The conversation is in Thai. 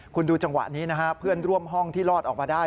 คุณดูจังหวะนี้นะฮะเพื่อนร่วมห้องที่รอดออกมาได้